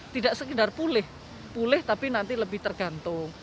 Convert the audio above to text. tidak sekedar pulih pulih tapi nanti lebih tergantung